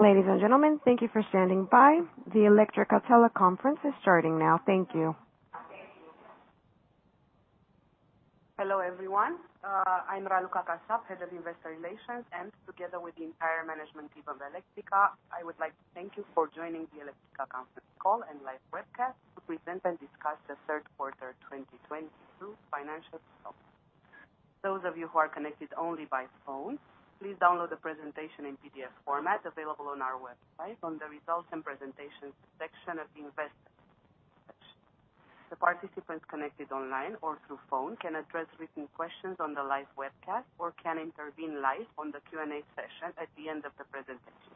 Ladies and gentlemen, thank you for standing by. The Electrica teleconference is starting now. Thank you. Hello, everyone. I'm Raluca Kasap, Head of Investor Relations, and together with the entire management team of Electrica, I would like to thank you for joining the Electrica conference call and live webcast to present and discuss the third quarter 2022 financial results. Those of you who are connected only by phone, please download the presentation in PDF format available on our website on the Results and Presentations section of the Investors section. The participants connected online or through phone can address written questions on the live webcast or can intervene live on the Q&A session at the end of the presentation.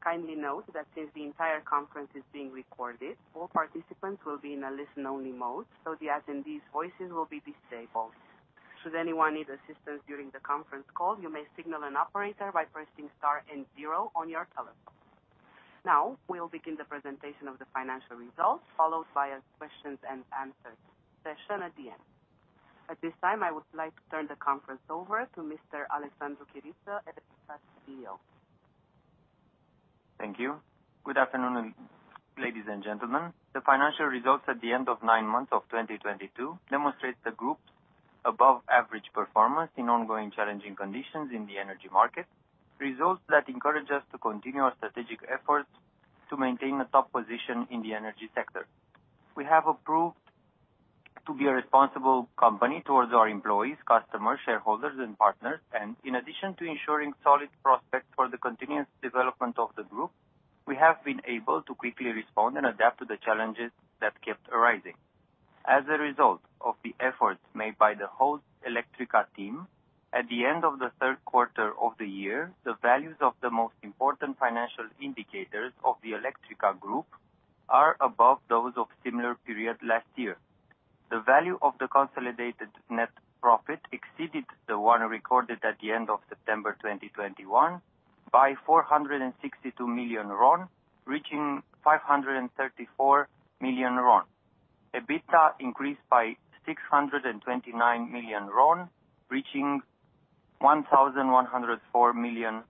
Kindly note that since the entire conference is being recorded, all participants will be in a listen-only mode, so the attendees' voices will be disabled. Should anyone need assistance during the conference call, you may signal an operator by pressing star and 0 on your telephone. Now, we will begin the presentation of the financial results, followed by a questions and answers session at the end. At this time, I would like to turn the conference over to Mr. Alexandru Chiriță, Electrica CEO. Thank you. Good afternoon, ladies and gentlemen. The financial results at the end of nine months of 2022 demonstrate the Group's above-average performance in ongoing challenging conditions in the energy market, results that encourage us to continue our strategic efforts to maintain a top position in the energy sector. We have proven to be a responsible company towards our employees, customers, shareholders, and partners. In addition to ensuring solid prospects for the continuous development of the Group, we have been able to quickly respond and adapt to the challenges that kept arising. As a result of the efforts made by the whole Electrica team, at the end of the third quarter of the year, the values of the most important financial indicators of the Electrica Group are above those of similar period last year. The value of the consolidated net profit exceeded the one recorded at the end of September 2021 by RON 462 million, reaching RON 534 million. EBITDA increased by RON 629 million, reaching RON 1,104 million.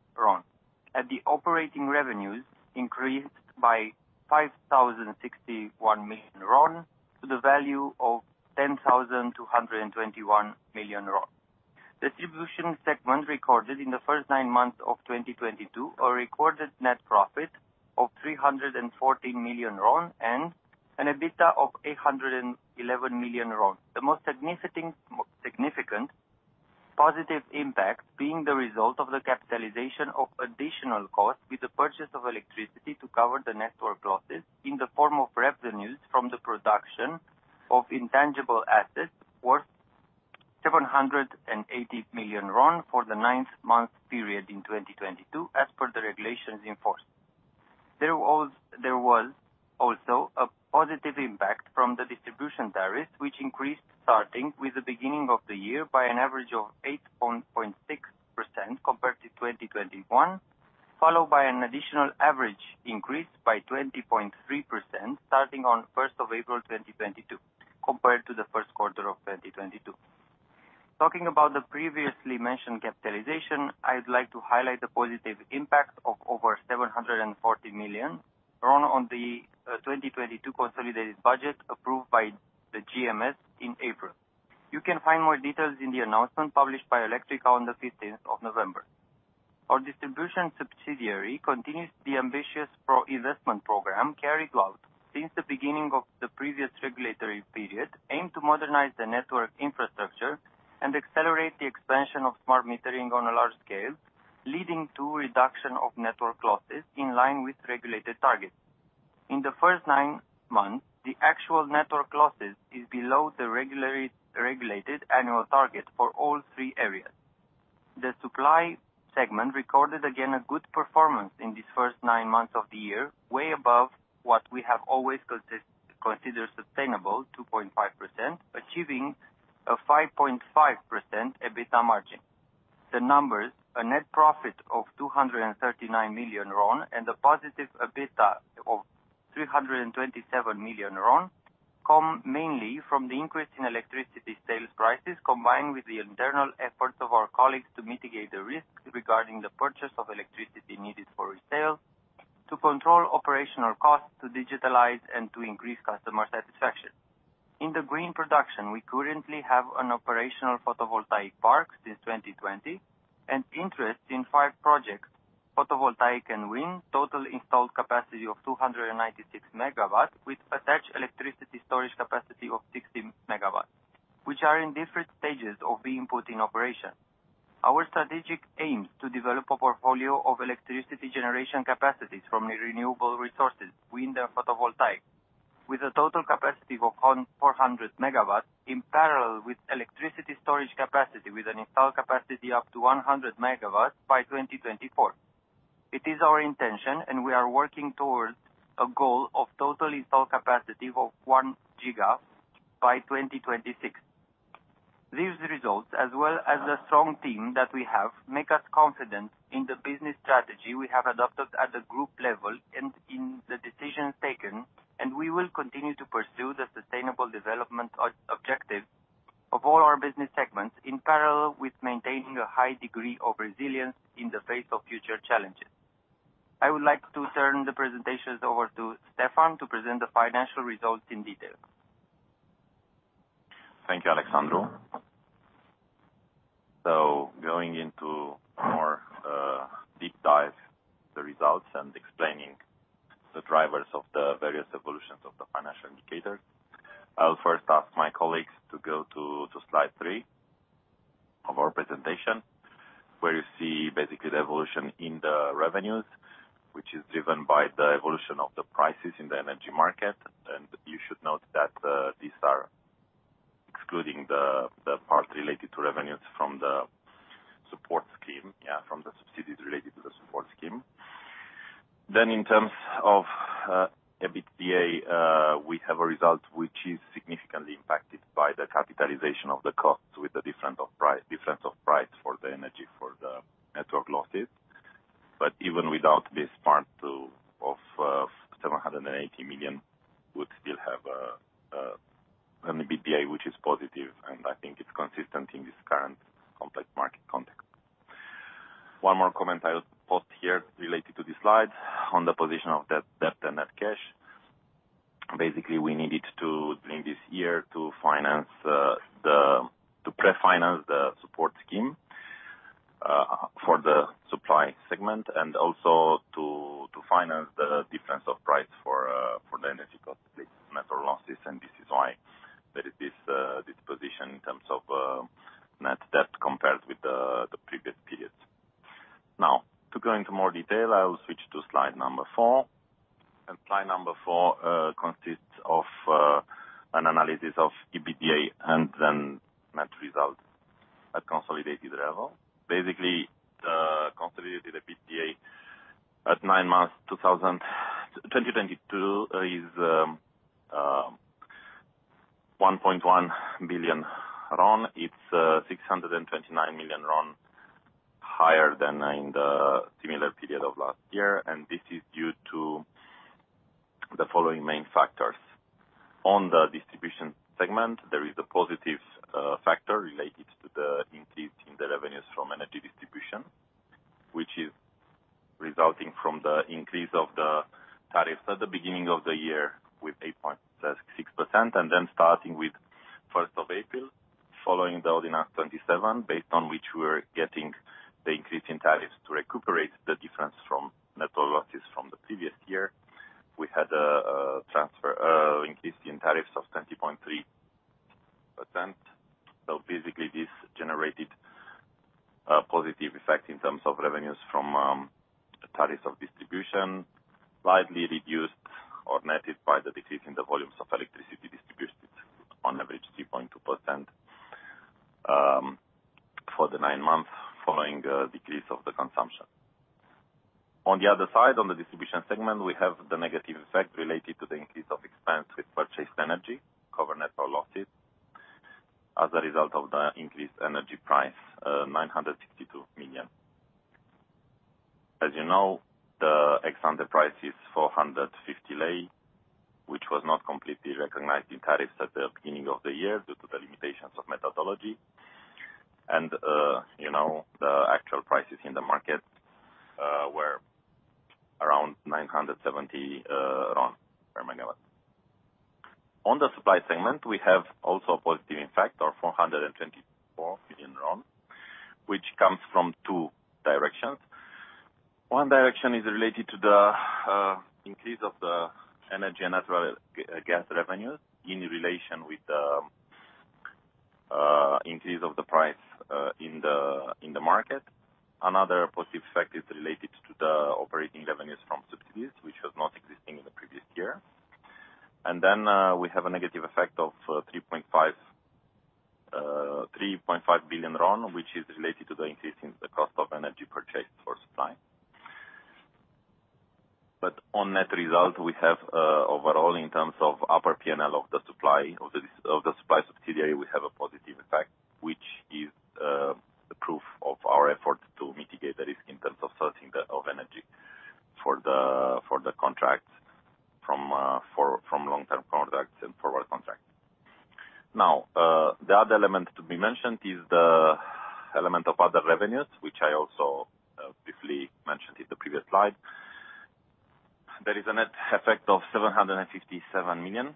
The operating revenues increased by RON 5,061 million to the value of RON 10,221 million. Distribution segment recorded in the first nine months of 2022, a recorded net profit of RON 314 million and an EBITDA of RON 811 million. The most significant positive impact being the result of the capitalization of additional costs with the purchase of electricity to cover the network losses in the form of revenues from the production of intangible assets worth RON 780 million for the ninth-month period in 2022, as per the regulations in force. There was also a positive impact from the distribution tariffs, which increased starting with the beginning of the year by an average of 8.6% compared to 2021, followed by an additional average increase by 20.3% starting on first of April 2022 compared to the first quarter of 2022. Talking about the previously mentioned capitalization, I'd like to highlight the positive impact of over RON 740 million on the 2022 consolidated budget approved by the GMS in April. You can find more details in the announcement published by Electrica on the 15th of November. Our distribution subsidiary continues the ambitious pro-investment program carried out since the beginning of the previous regulatory period, aimed to modernize the network infrastructure and accelerate the expansion of smart metering on a large scale, leading to reduction of network losses in line with regulated targets. In the first nine months, the actual network losses is below the regulated annual target for all three areas. The supply segment recorded again a good performance in this first nine months of the year, way above what we have always consider sustainable, 2.5%, achieving a 5.5% EBITDA margin. The numbers, a net profit of RON 239 million and a positive EBITDA of RON 327 million, come mainly from the increase in electricity sales prices, combined with the internal efforts of our colleagues to mitigate the risks regarding the purchase of electricity needed for resale, to control operational costs, to digitalize, and to increase customer satisfaction. In the green production, we currently have an operational photovoltaic park since 2020 and interest in five projects, photovoltaic and wind, total installed capacity of 296 MW, with attached electricity storage capacity of 60 MW, which are in different stages of being put in operation. Our strategic aim is to develop a portfolio of electricity generation capacities from renewable resources, wind and photovoltaic, with a total capacity of 400 MW in parallel with electricity storage capacity, with an installed capacity up to 100 MW by 2024. It is our intention, and we are working towards a goal of total installed capacity of 1 GW by 2026. These results, as well as the strong team that we have, make us confident in the business strategy we have adopted at the group level and in the decisions taken, and we will continue to pursue the sustainable development objective of all our business segments, in parallel with maintaining a high degree of resilience in the face of future challenges. I would like to turn the presentations over to Ștefan to present the financial results in detail. Thank you, Alexandru. Going into more deep dive the results and explaining the drivers of the various evolutions of the financial indicators, I will first ask my colleagues to go to slide 3 of our presentation, where you see basically the evolution in the revenues, which is driven by the evolution of the prices in the energy market. You should note that these are excluding the part related to revenues from the support scheme. Yeah, from the subsidies related to the support scheme. In terms of EBITDA, we have a result which is significantly impacted by the capitalization of the costs with the difference of price for the energy, for the network losses. Even without this part of RON 780 million, we would still have an EBITDA which is positive, and I think it's consistent in this current complex market context. One more comment I'll post here related to this slide on the position of debt and net cash. Basically, we needed to, during this year to pre-finance the support scheme for the supply segment and also to finance the difference of price for the energy cost network losses. This is why there is this position in terms of net debt compared with the previous periods. Now, to go into more detail, I will switch to slide number 4. Slide number 4 consists of an analysis of EBITDA and then net results at consolidated level. Basically, the consolidated EBITDA at nine months 2022 is RON 1.1 billion. It's RON 629 million higher than in the similar period of last year, and this is due to the following main factors. On the distribution segment, there is a positive factor related to the increase in the revenues from energy distribution, which is resulting from the increase of the tariffs at the beginning of the year with 8.6%. Starting with first of April, following the Ordinance 27, based on which we were getting the increase in tariffs to recuperate the difference from net losses from the previous year. We had a transfer increase in tariffs of 20.3%. Basically, this generated a positive effect in terms of revenues from the tariffs of distribution, widely reduced or netted by the decrease in the volumes of electricity distributed on average 3.2% for the nine months following a decrease of the consumption. On the other side, on the distribution segment, we have the negative effect related to the increase of expense with purchased energy, cover network losses. As a result of the increased energy price, RON 962 million. As you know, the ex-ante price is RON 450, which was not completely recognized in tariffs at the beginning of the year due to the limitations of methodology. You know, the actual prices in the market were around RON 970 per MW. On the supply segment, we have also a positive effect of RON 424 million, which comes from two directions. One direction is related to the increase of the energy and natural gas revenues in relation with the increase of the price in the market. Another positive effect is related to the operating revenues from subsidies, which was not existing in the previous year. We have a negative effect of RON 3.5 billion, which is related to the increase in the cost of energy purchased for supply. On net result, we have overall in terms of upper P&L of the supply subsidiary, we have a positive effect, which is the proof of our effort to mitigate the risk in terms of sourcing of energy for the contracts from long-term contracts and forward contracts. Now the other element to be mentioned is the element of other revenues, which I also briefly mentioned in the previous slide. There is a net effect of RON 757 million.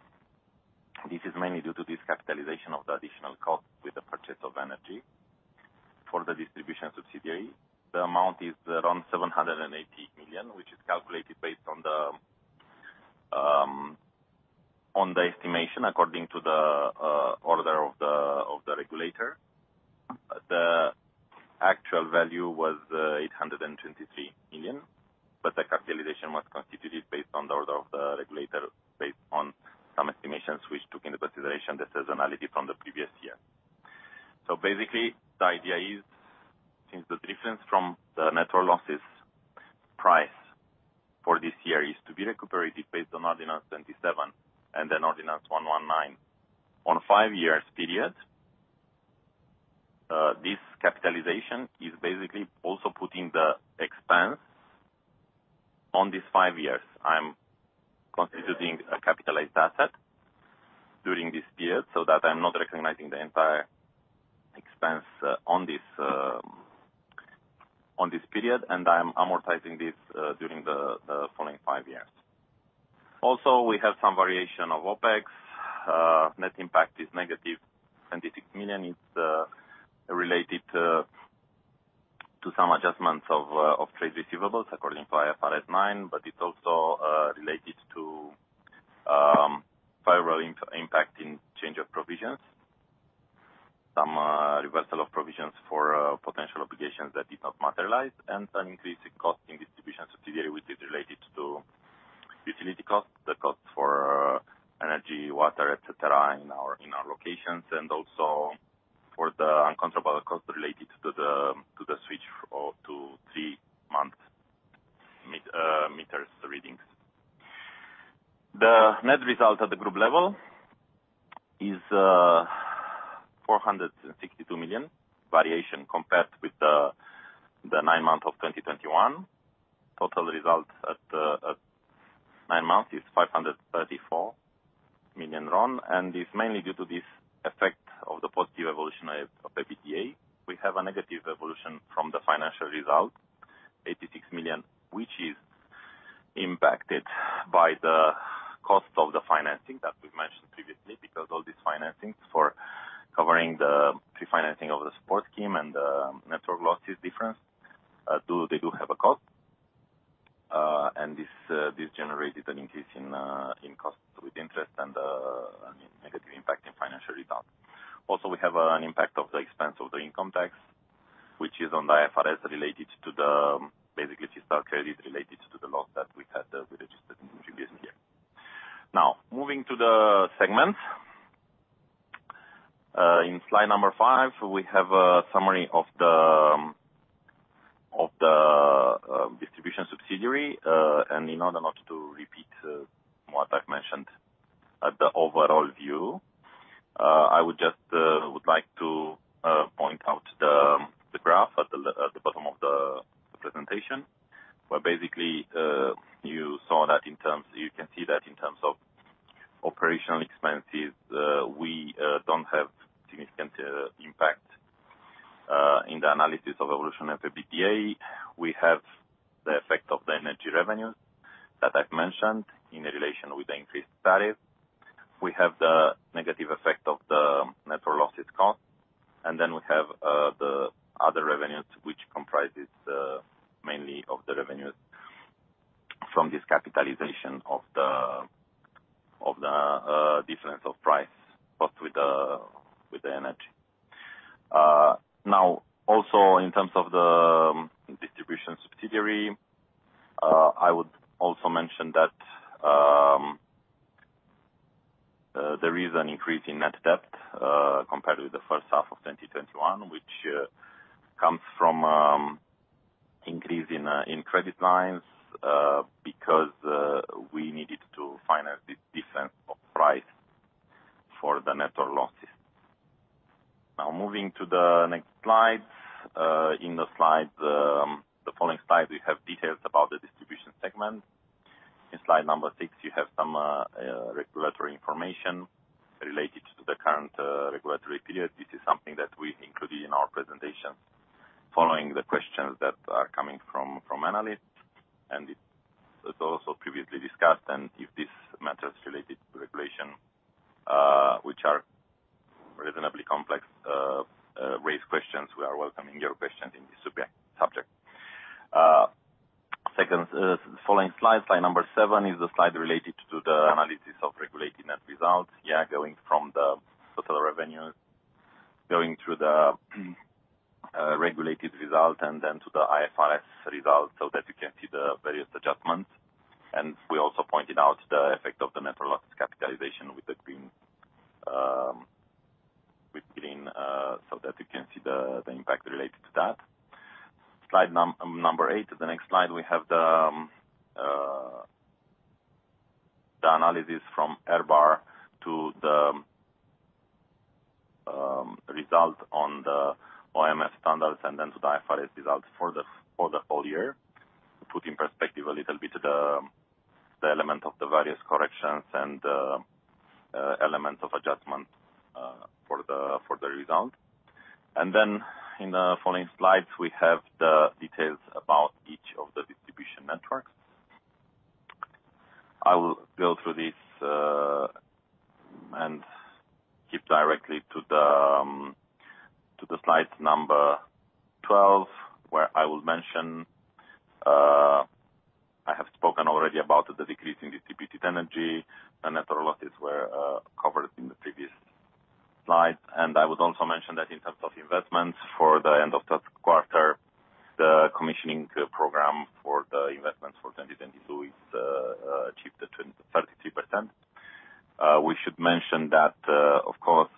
This is mainly due to this capitalization of the additional cost with the purchase of energy for the distribution subsidiary. The amount is around RON 780 million, which is calculated based on the estimation according to the order of the regulator. The actual value was RON 823 million, but the capitalization was constituted based on the order of the regulator, based on some estimations which took into consideration the seasonality from the previous year. The idea is, since the difference from the net losses price for this year is to be recuperated based on Ordinance 27 and then Ordinance 119 on a five years period, this capitalization is basically also putting the expense on these five years. I'm constituting a capitalized asset during this period, so that I'm not recognizing the entire expense on this period. I'm amortizing this during the following five years. Also we have some variation of OpEx. Net impact is -RON 76 million. It's related to some adjustments of trade receivables according to IFRS 9. It's also related to prior impacting change of provisions. Some reversal of provisions for potential obligations that did not materialize, and an increase in cost in distribution subsidiary, which is related to utility costs, the cost for energy, water, et cetera, in our locations, and also for the uncontrollable costs related to the switch or to three-month meters readings. The net result at the group level is RON 462 million variation compared with the nine months of 2021. Total results at nine months is RON 534 million, and it's mainly due to this effect of the positive evolution of EBITDA. We have a negative evolution from the financial result, RON 86 million, which is impacted by the cost of the financing that we've mentioned previously. Because all these financings for covering the pre-financing of the support scheme and the network losses difference they do have a cost. This generated an increase in costs with interest and, I mean, negative impact in financial results. Also, we have an impact of the expense of the income tax, which is on the IFRS related to the basically deferred tax credit related to the loss that we registered in the previous year. Now, moving to the segments. In slide number 5, we have a summary of the distribution subsidiary. In order not to repeat what I've mentioned at the overall view, I would just like to point out the graph at the bottom of the presentation, where basically you can see that in terms of operational expenses, we don't have significant impact in the analysis of evolution of EBITDA. We have the effect of the energy revenues that I've mentioned in relation with the increased tariff. We have the negative effect of the network losses cost, and then we have the other revenues which comprises mainly of the revenues from this capitalization of the difference of price, but with the energy. Now, also in terms of the distribution subsidiary, I would also mention that there is an increase in net debt compared with the first half of 2021, which comes from increase in credit lines because we needed to finance this difference of price for the net losses. Now moving to the next slides. In the following slide, we have details about the distribution segment. In slide number six, you have some regulatory information related to the current regulatory period. This is something that we included in our presentation following the questions that are coming from analysts. It is also previously discussed. If these matters related to regulation, which are reasonably complex, raise questions, we are welcoming your questions in this subject. Second, following slide number 7 is a slide related to the analysis of regulated net results. Yeah, going from the total revenues, going through the regulated result and then to the IFRS results so that you can see the various adjustments. We also pointed out the effect of the net losses capitalization with green so that you can see the impact related to that. Slide number 8. The next slide, we have the analysis from EBITDA to the result on the OMFP standards and then to the IFRS results for the whole year. To put in perspective a little bit the element of the various corrections and elements of adjustment for the result. In the following slides, we have the details about each of the distribution networks. I will go through this and skip directly to the slide number 12, where I will mention I have spoken already about the decrease in distributed energy. The network losses were covered in the previous slide. I would also mention that in terms of investments for the end of third quarter, the commissioning program for the investments for 2022 is achieved at 33%. We should mention that, of course,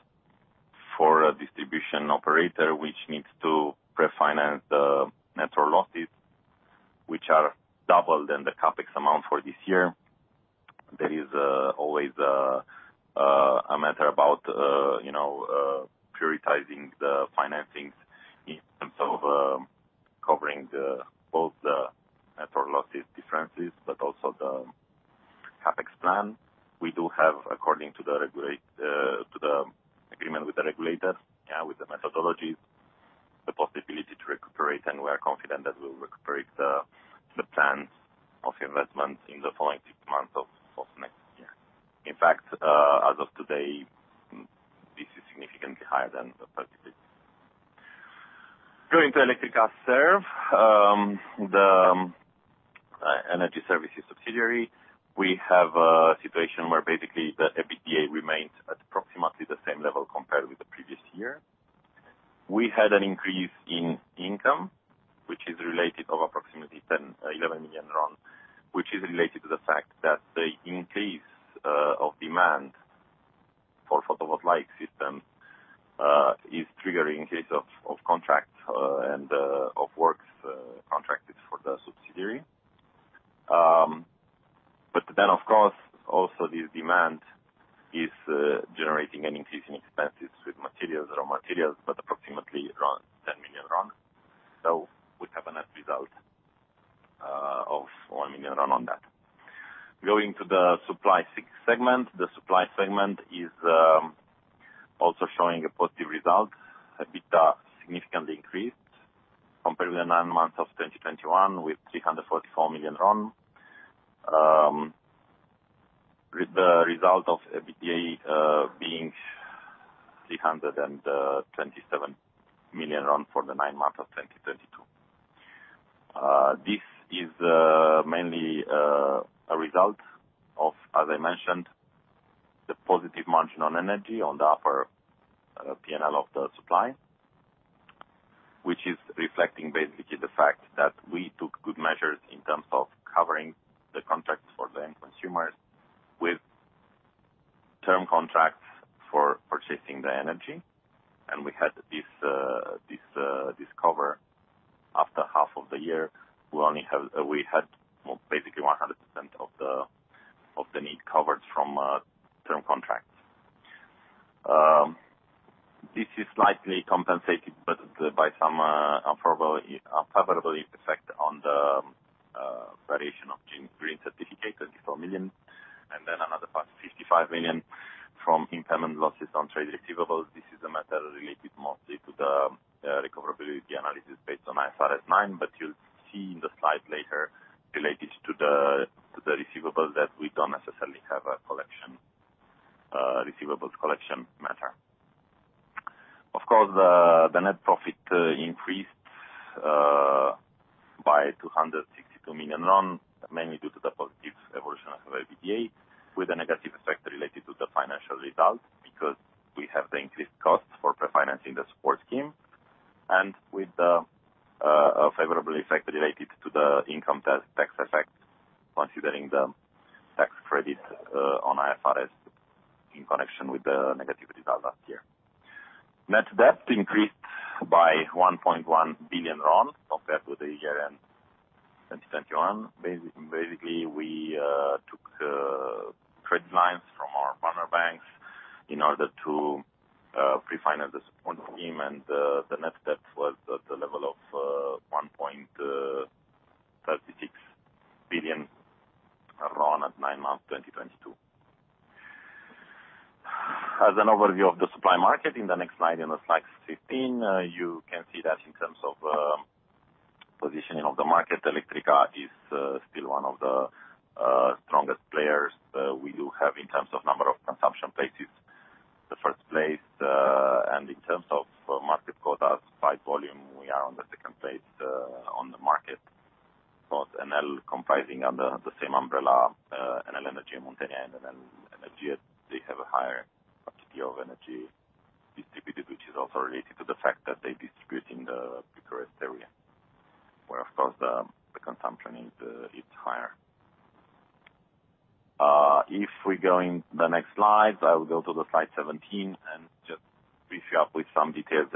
for a distribution operator, which needs to pre-finance the network losses, which are double than the CapEx amount for this year. There is always a matter about, you know, prioritizing the financings in terms of covering both the network losses differences, but also the CapEx plan. We do have according to the agreement with the regulators, yeah, with the methodologies, the possibility to recuperate, and we are confident that we'll recuperate the plans of investment in the following six months of next year. In fact, as of today, this is significantly higher than the participants. Going to Electrica Serv, the energy services subsidiary. We have a situation where basically the EBITDA remains at approximately the same level compared with the previous year. We had an increase in income, which is related of approximately RON 11 million, which is related to the fact that the increase of demand for photovoltaic systems is triggering increase of contracts and of works contracted for the subsidiary. Of course, also this demand is generating an increase in expenses with materials, raw materials, but approximately around RON 10 million. We have a net result of RON 1 million on that. Going to the supply segment. The supply segment is also showing a positive result. EBITDA significantly increased compared to the nine months of 2021 with RON 344 million. The result of EBITDA being RON 327 million for the nine months of 2022. This is mainly a result of, as I mentioned, the positive margin on energy on the upper P&L of the supply, which is reflecting basically the fact that we took good measures in terms of covering the contracts for the end consumers with term contracts for purchasing the energy. We had this cover after half of the year. We had basically 100% of the need covered from term contracts. This is slightly compensated, but by some favorable effect on the variation of green certificate, RON 24 million, and then another RON 55 million from impairment losses on trade receivables. This is a matter related mostly to the recoverability analysis based on IFRS 9, but you'll see in the slide later related to the receivables that we don't necessarily have a receivables collection matter. Of course, the net profit increased by RON 262 million, mainly due to the positive evolution of EBITDA, with a negative effect related to the financial results because we have the increased costs for pre-financing the support scheme. With a favorable effect related to the income tax effect, considering the tax credit on IFRS in connection with the negative result last year. Net debt increased by RON 1.1 billion compared with the year-end 2021. Basically, we took credit lines from our partner banks in order to pre-finance the support scheme and the net debt was at the level of RON 1.36 billion at nine months 2022. As an overview of the supply market, in the next slide, in the slide 15, you can see that in terms of positioning of the market, Electrica is still one of the strongest players. We do have in terms of number of consumption places, the first place, and in terms of market quota by volume, we are on the second place on the market. Both Enel comprising under the same umbrella, Enel Energie Muntenia and Enel Energie, they have a higher quantity of energy distributed, which is also related to the fact that they distribute in the Bucharest area, where of course the consumption is higher. If we go in the next slides, I will go to the slide 17 and just brief you up with some details.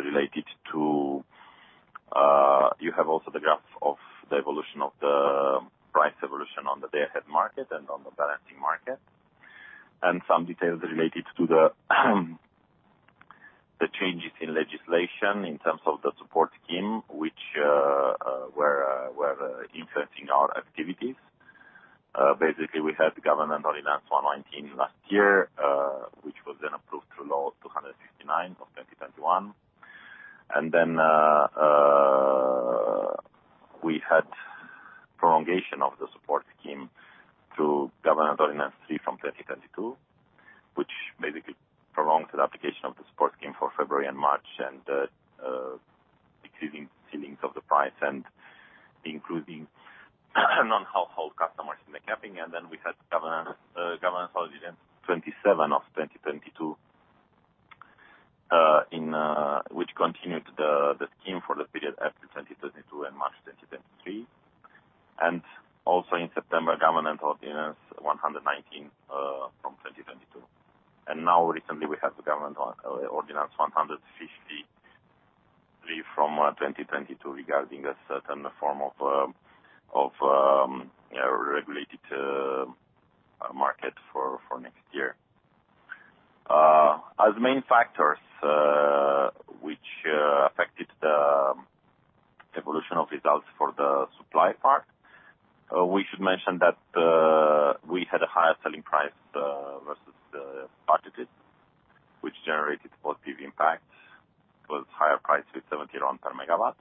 Uh, you have also the graph of the evolution of the price evolution on the day ahead market and on the balancing market, and some details related to the changes in legislation in terms of the support scheme, which, uh, were, uh, were, uh, influencing our activities. Uh, basically, we had Government Ordinance one nineteen last year, uh, which was then approved through Law 269 of 2021. And then, uh, we had prolongation of the support scheme through Government Ordinance three from 2022, which basically prolonged the application of the support scheme for February and March and, uh, increasing ceilings of the price and including non-household customers in the capping. And then we had governance, uh, Governance Ordinance 27 of 2022, uh, in, uh, which continued the scheme for the period after 2022 and March 2023. Also in September, Government Ordinance 119, and now recently we had the Government Ordinance 153 from 2022 regarding a certain form of regulated market for next year. As main factors which affected the evolution of results for the supply part, we should mention that we had a higher selling price versus the budget which generated positive impact. It was higher price with RON 70 per megawatt.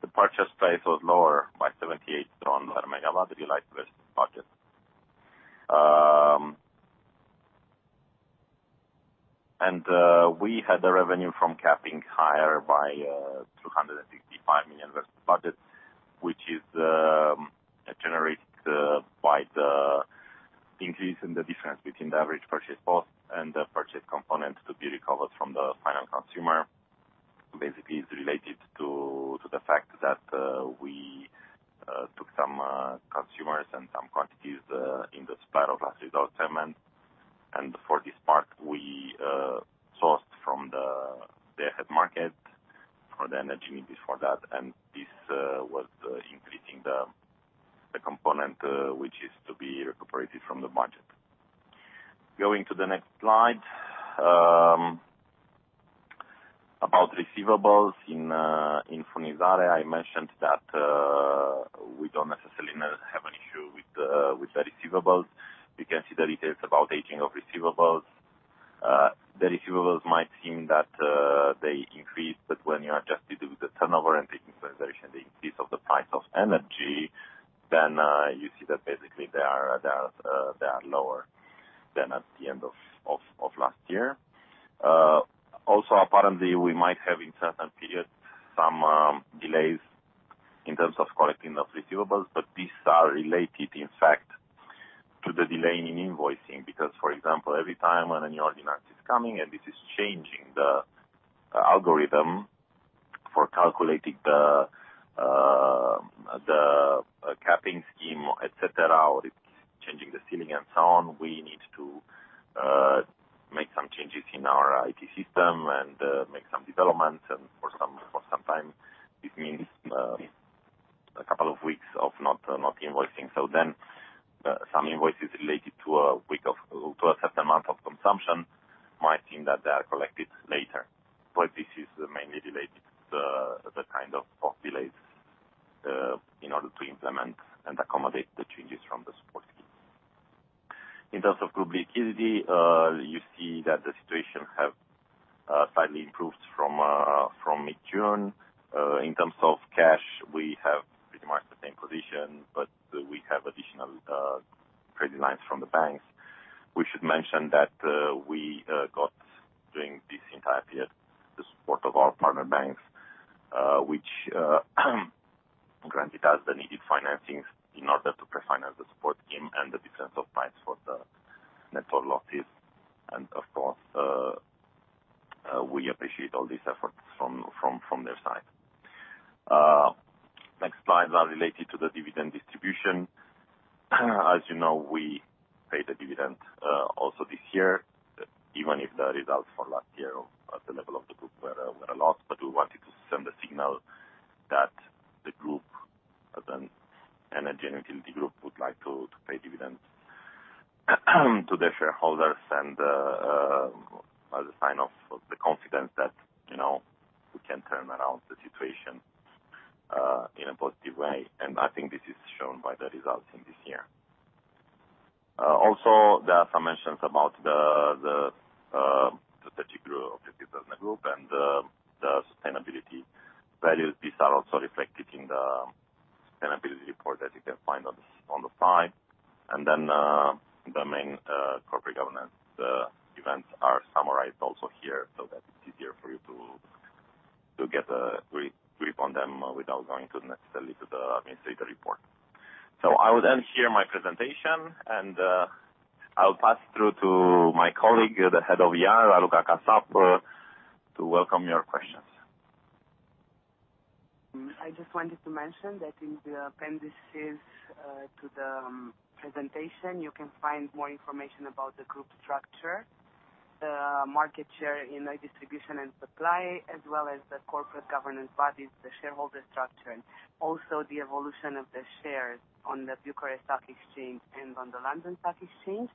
The purchase price was lower by RON 78 per megawatt than you liked versus budget. We had the revenue from capping higher by RON 265 million versus budget, which is generated by the increase in the difference between the average purchase cost and the purchase component to be recovered from the final consumer. Basically, it's related to the fact that we took some consumers and some quantities in the supplier of last resort segment. For this part, we sourced from the day-ahead market for the energy needs for that. This was increasing the component which is to be recuperated from the budget. Going to the next slide. About receivables in Furnizare, I mentioned that we don't necessarily have an issue with the receivables. You can see the details about aging of receivables. The receivables might seem that they increased, but when you adjust to the turnover and the inflation, the increase of the price of energy, then you see that basically they are lower than at the end of last year. Also apparently we might have in certain periods some delays in terms of collecting those receivables, but these are related in fact to the delay in invoicing. Because for example, every time when a new ordinance is coming and this is changing the algorithm for calculating the capping scheme, et cetera, or it's changing the ceiling and so on, we need to make some changes in our IT system and make some developments. For some time, this means a couple of weeks of not invoicing. Some invoices related to a certain amount of consumption might seem that they are collected later. This is mainly related to the kind of delays in order to implement and accommodate the changes from the support scheme. In terms of group liquidity, you see that the situation have slightly improved from mid-June. In terms of cash, we have pretty much the same position, but we have additional credit lines from the banks. We should mention that we got during this entire period the support of our partner banks, which granted us the needed financings in order to prefinance the support scheme and the difference of price for the network losses. Of course, we appreciate all these efforts from their side. Next slide are related to the dividend distribution. As you know, we paid a dividend also this year, even if the results for last year at the level of the group were a loss. We wanted to send a signal that the group, as an energy and utility group, would like to pay dividends to their shareholders and as a sign of the confidence that, you know, we can turn around the situation in a positive way. I think this is shown by the results in this year. Also there are some mentions about the strategic group objectives as a group and the sustainability values. These are also reflected in the sustainability report that you can find on the site. The main corporate governance events are summarized also here, so that it's easier for you to get a grip on them without going necessarily to the administrator report. I will end here my presentation and I'll pass through to my colleague, the Head of IR, Raluca Kasap, to welcome your questions. I just wanted to mention that in the appendices to the presentation, you can find more information about the group structure, the market share in the distribution and supply, as well as the corporate governance bodies, the shareholder structure, and also the evolution of the shares on the Bucharest Stock Exchange and on the London Stock Exchange.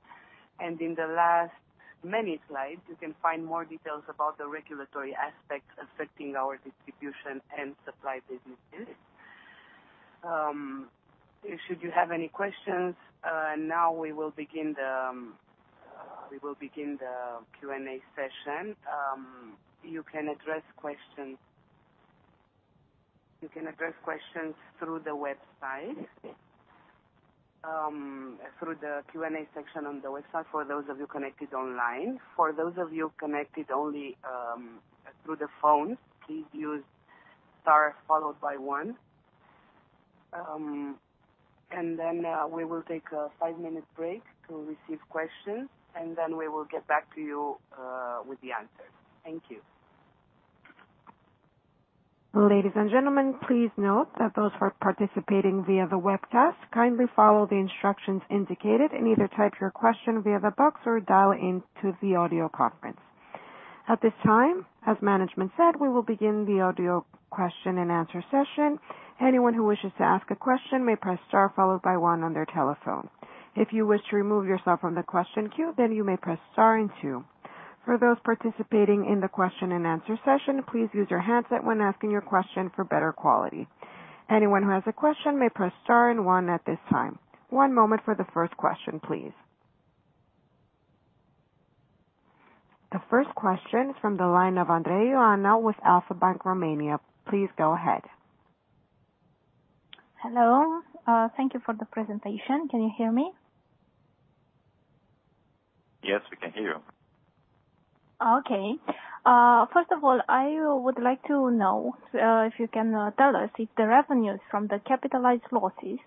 In the last many slides, you can find more details about the regulatory aspects affecting our distribution and supply businesses. Should you have any questions, now we will begin the Q&A session. You can address questions through the website, through the Q&A section on the website for those of you connected online. For those of you connected only through the phone, please use star followed by 1. We will take a five-minute break to receive questions, and then we will get back to you with the answers. Thank you. Ladies and gentlemen, please note that those who are participating via the webcast, kindly follow the instructions indicated and either type your question via the box or dial in to the audio conference. At this time, as management said, we will begin the audio question-and-answer session. Anyone who wishes to ask a question may press star followed by 1 on their telephone. If you wish to remove yourself from the question queue, then you may press star and 2. For those participating in the question-and-answer session, please use your handset when asking your question for better quality. Anyone who has a question may press star and 1 at this time. One moment for the first question, please. The first question is from the line of Ioana Andrei with Alpha Bank Romania. Please go ahead. Hello. Thank you for the presentation. Can you hear me? Yes, we can hear you. Okay. Uh, first of all, I would like to know, uh, if you can, uh, tell us if the revenues from the capitalized losses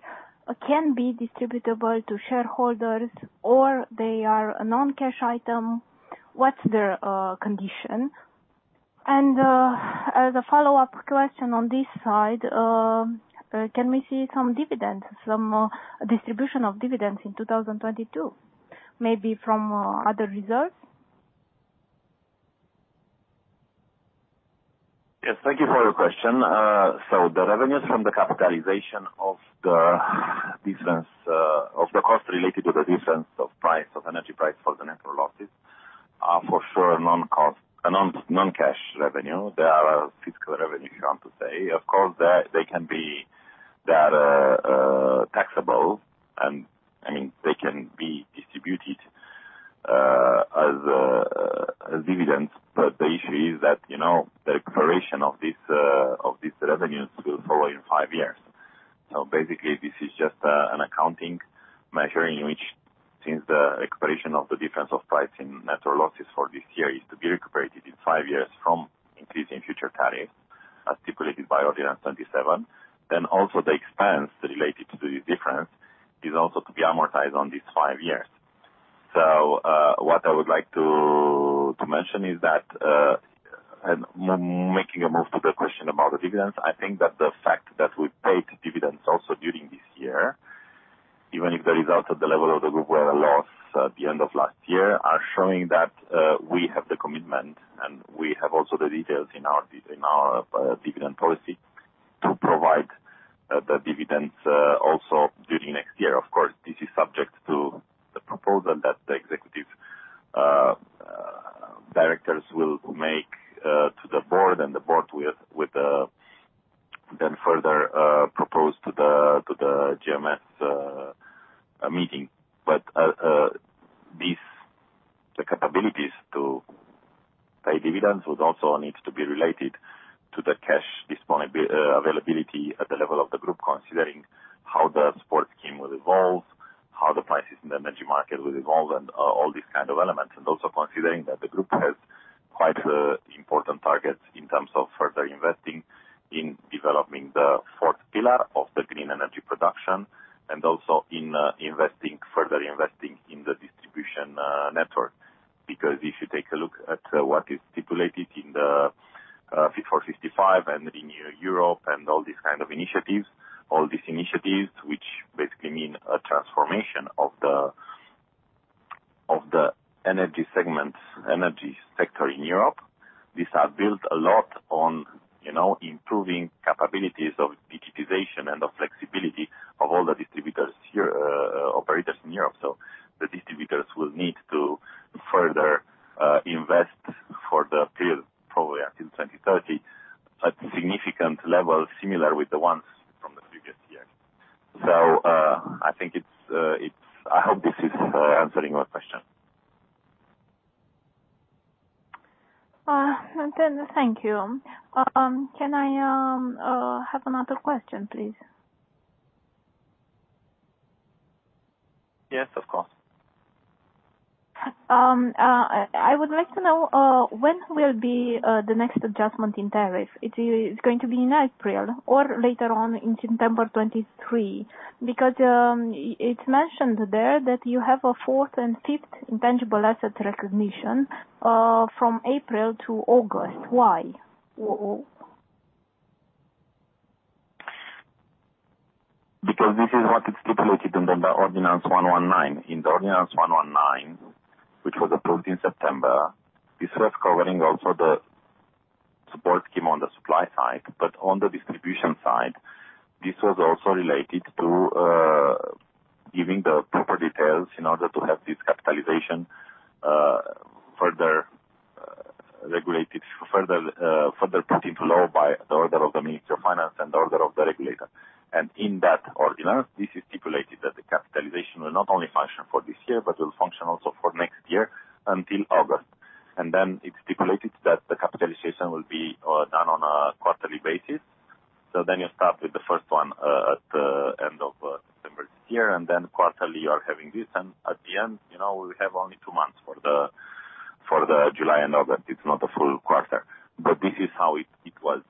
can be distributable to shareholders or they are a non-cash item, what's their, uh, condition? And, uh, as a follow-up question on this side, um, can we see some dividends, some distribution of dividends in 2022, maybe from, uh, other results? Yes, thank you for your question. The revenues from the capitalization of the difference of the cost related to the difference of price, of energy price for the network losses are for sure a non-cash revenue. They are a fiscal revenue, if you want to say. Of course, they are taxable, and I mean, they can be distributed as dividends. The issue is that, you know, the expiration of these revenues will follow in 5 years. Basically, this is just an accounting measure in which since the expiration of the difference of price in network losses for this year is to be recovered in 5 years from increase in future tariffs, as stipulated by Ordinance 27. Also the expense related to this difference is also to be amortized on these five years. What I would like to mention is that making a move to the question about the dividends, I think that the fact that we paid dividends also during this year, even if the results at the level of the group were a loss at the end of last year, are showing that we have the commitment, and we have also the details in our dividend policy to provide the dividends also during next year. Of course, this is subject to the proposal that the executive directors will make to the board, and the board will then further propose to the GMS meeting. The capabilities to pay dividends would also need to be related to the cash availability at the level of the Group, considering how the support scheme will evolve, how the prices in the energy market will evolve and all these kind of elements. Also considering that the Group has quite important targets in terms of further investing in developing the fourth pillar of the green energy production, and also in further investing in the distribution network. If you take a look at what is stipulated in the Fit for 55 and in Europe and all these initiatives, which basically mean a transformation of the energy segment, energy sector in Europe, these are built a lot on, you know, improving capabilities of digitization and of flexibility of all the distributors here, operators in Europe. The distributors will need to further invest for the period, probably until 2030, at significant levels similar with the ones from the previous years. I hope this is answering your question. Thank you. Can I have another question, please? Yes, of course. I would like to know when will be the next adjustment in tariff? It is going to be in April or later on in September 2023? Because it's mentioned there that you have a fourth and fifth intangible asset recognition from April to August. Why? Because this is what is stipulated in the Ordinance 119. In the Ordinance 119, which was approved in September, this was covering also the support scheme on the supply side, but on the distribution side, this was also related to giving the proper details in order to have this capitalization further regulated, further put into law by the order of the Ministry of Finance and order of the regulator. In that ordinance, this is stipulated that the capitalization will not only function for this year, but will function also for next year until August. It's stipulated that the capitalization will be done on a quarterly basis. You start with the first one at the end of September this year, and then quarterly you are having this. At the end, you know, we have only two months for the July and August. It's not a full quarter, but this is how it was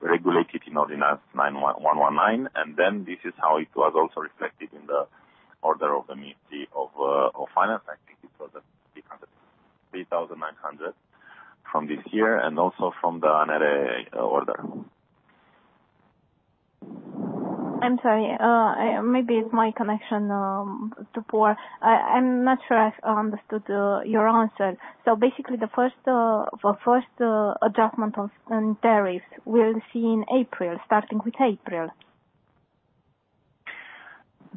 regulated in Ordinance 119. This is how it was also reflected in the order of the Ministry of Finance. I think it was the 3,900 from this year and also from the ANRE order. I'm sorry, maybe it's my connection too poor. I'm not sure I understood your answer. Basically the first adjustment in tariffs we'll see in April, starting with April?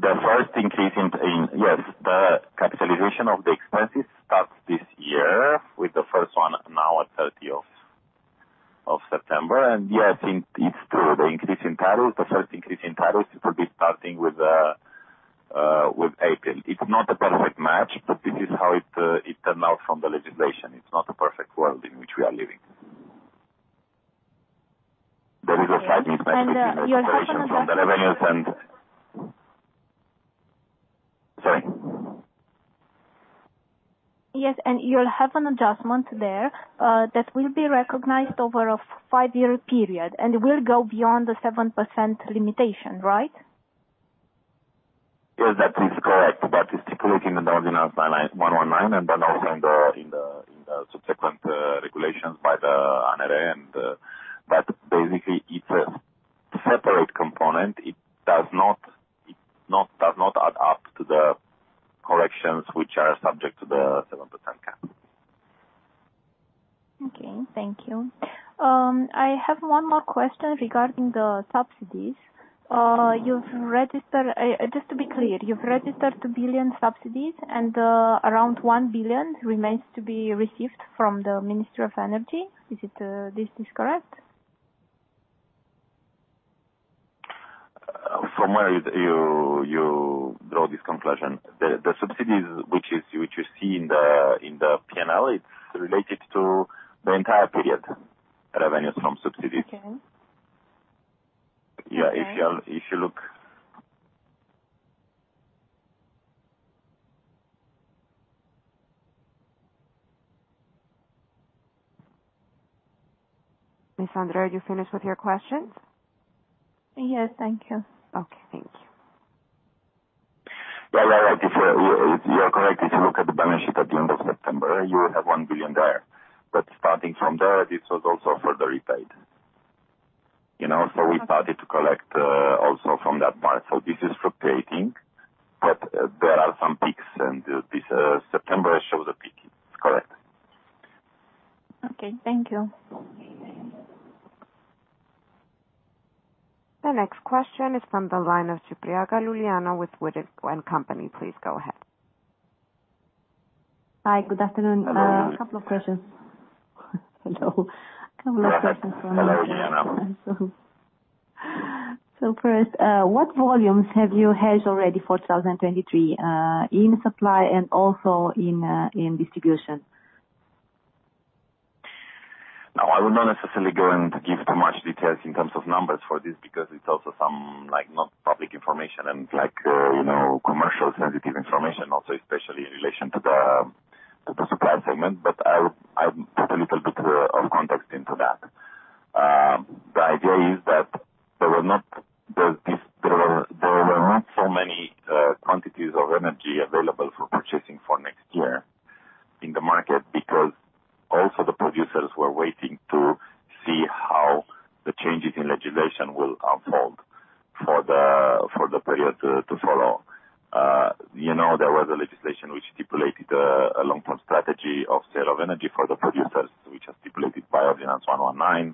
Yes, the capitalization of the expenses starts this year with the first one now at 30 of September. Yes, in this too, the first increase in tariff, it will be starting with April. It's not a perfect match, but this is how it turned out from the legislation. It's not a perfect world in which we are living. There is a slight mismatch between the separation from the revenues. Sorry. Yes, and you'll have an adjustment there, uh, that will be recognized over a five-year period and will go beyond the seven percent limitation, right? Yes, that is correct. It's stipulated in the Ordinance 119 and also in the subsequent regulations by the ANRE. Basically, it's a separate component. It does not add up to the corrections which are subject to the 7% cap. Okay, thank you. I have one more question regarding the subsidies. Just to be clear, you've registered RON 2 billion subsidies and around RON 1 billion remains to be received from the Ministry of Energy. This is correct? From where you draw this conclusion? The subsidies which you see in the P&L is related to the entire period, revenues from subsidies. Okay. Yeah. If you look. Ioana Andrei, are you finished with your questions? Yes, thank you. Okay, thank you. Yeah, yeah, right. If you're correct, if you look at the balance sheet at the end of September, you will have RON 1 billion there. Starting from there, this was also further repaid. You know, we started to collect also from that part. This is rotating, but there are some peaks, and this September shows a peak. It's correct. Okay, thank you. The next question is from the line of Iuliana Ciopraga with WOOD & Company. Please go ahead. Hi, good afternoon. Hello. Hello. Couple of questions for you. Hello, Ciopraga. First, what volumes have you hedged already for 2023 in supply and also in distribution? Now, I would not necessarily go and give too much details in terms of numbers for this because it's also some, like, not public information and like, you know, commercial sensitive information also, especially in relation to the supply segment. I'll put a little bit of context into that. The idea is that there were not so many quantities of energy available for purchasing for next year in the market because also the producers were waiting to see how the changes in legislation will unfold for the period to follow. You know, there was a legislation which stipulated a long-term strategy of sale of energy for the producers, which was stipulated by Ordinance 119.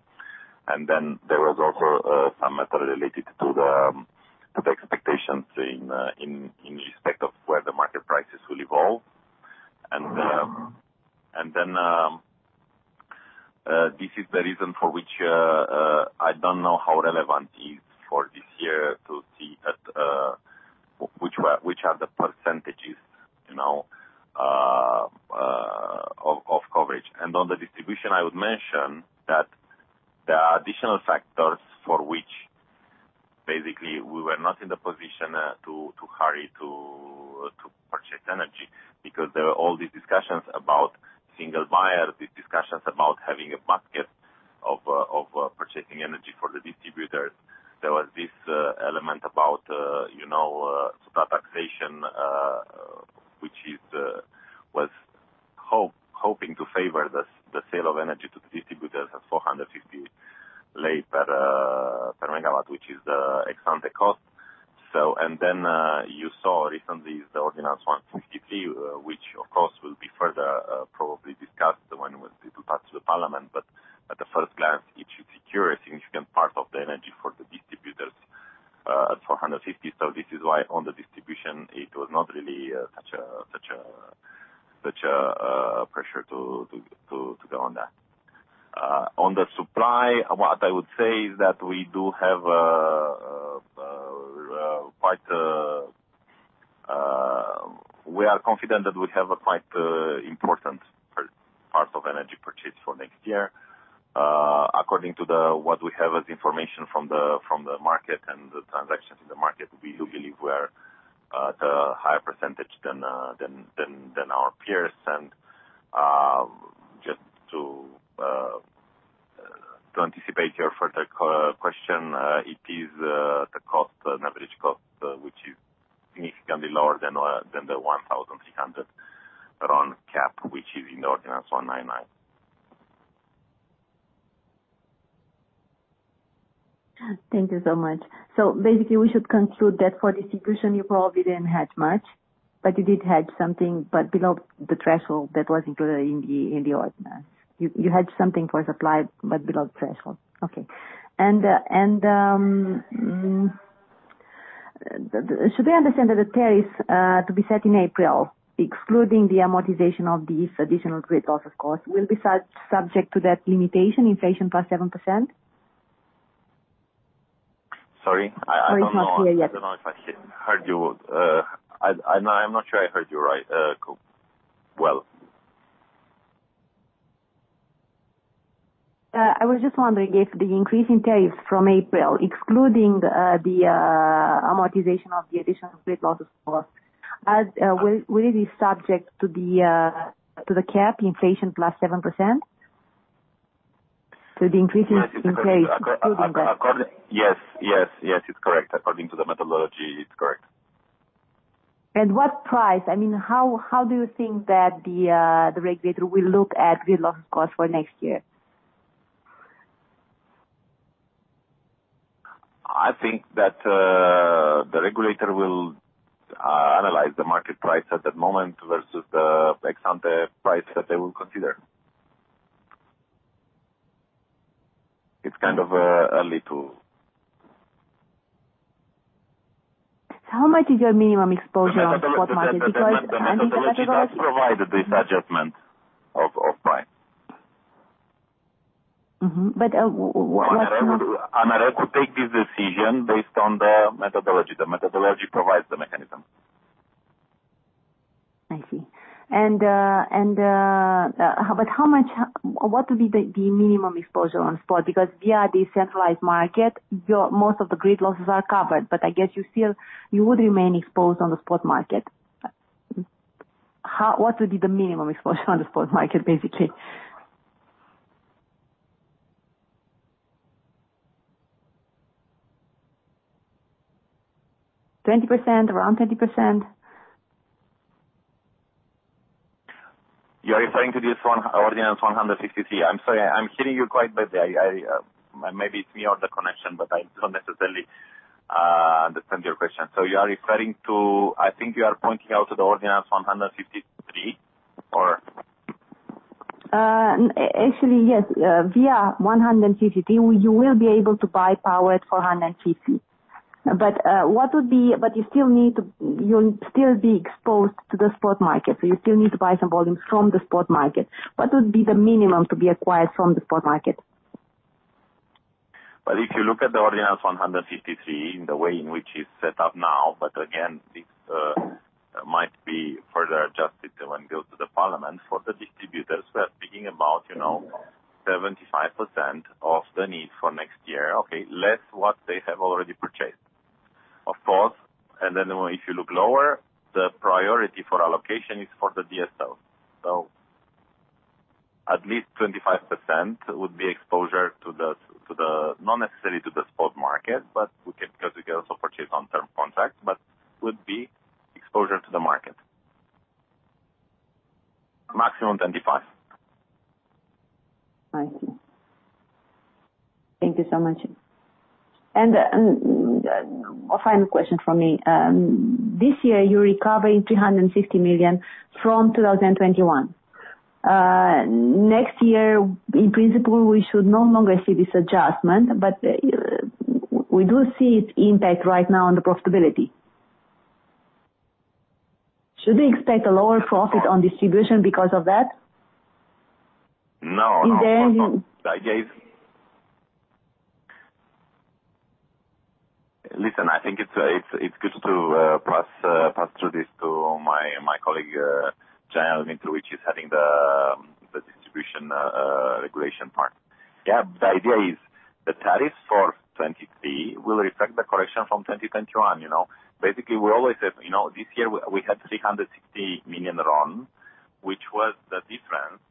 There was also some method related to the expectations in respect of where the market prices will evolve. This is the reason for which I don't know how relevant is for this year to see at which are the percentages, you know, of coverage. On the distribution, I would mention that there are additional factors for which basically we were not in the position to hurry to purchase energy. Because there are all these discussions about single buyer, these discussions about having a basket of purchasing energy for the distributors. There was this element about, you know, taxation, which was hoping to favor the sale of energy Sorry, I don't know. It's not clear yet. I don't know if I heard you. I'm not sure I heard you right, well. I was just wondering if the increase in tariffs from April, excluding the amortization of the additional grid losses costs, will it be subject to the cap inflation plus 7%? The increases in place, including that. Ac-ac-accordi... Yes, yes, it's correct. According to the methodology, it's correct. At what price? I mean how do you think that the regulator will look at grid losses cost for next year? I think that the regulator will analyze the market price at that moment versus the ex-ante price that they will consider. How much is your minimum exposure on spot market? Is it like 10%-20%? The methodology does provide this adjustment of price. Mm-hmm. ANRE could take this decision based on the methodology. The methodology provides the mechanism. I see. What will be the minimum exposure on spot? Because via the centralized market, your most of the grid losses are covered, but I guess you would remain exposed on the spot market. What would be the minimum exposure on the spot market, basically? Around 20%? You are referring to this one, Ordinance 153. I'm sorry I'm hearing you quite badly. Maybe it's me or the connection, but I don't necessarily understand your question. I think you are pointing out to the Ordinance 153. Actually, yes. Via 153, you will be able to buy power at RON 450. You'll still be exposed to the spot market, so you still need to buy some volumes from the spot market. What would be the minimum to be acquired from the spot market? If you look at the Ordinance 153, the way in which it's set up now, but again, this might be further adjusted when it goes to the Parliament. For the distributors, we are speaking about, you know, 75% of the need for next year. Okay. Less what they have already purchased, of course. If you look lower, the priority for allocation is for the DSO. At least 25% would be exposure not necessarily to the spot market, because we can also purchase on term contract, but would be exposure to the market. Maximum 25%. I see. Thank you so much. A final question from me. This year you're recovering RON 360 million from 2021. Next year, in principle, we should no longer see this adjustment, but we do see its impact right now on the profitability. Should we expect a lower profit on distribution because of that? No, no. In the- Of course not. The idea is, listen, I think it's good to pass through this to my colleague Jan Mintal, which is heading the distribution regulation part. Yeah. The idea is the tariffs for 2023 will reflect the correction from 2021, you know. Basically, we always said, you know, this year we had RON 360 million, which was the difference